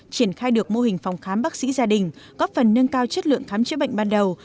triển khai được mô hình phòng khám bác sĩ gia đình góp phần nâng cao chất lượng khám chữa bệnh ban đầu